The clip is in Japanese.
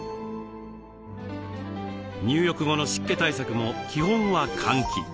入浴後の湿気対策も基本は換気。